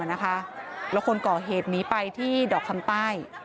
แล้วคนก่อเหตุหนีไปที่ดอกคำใต้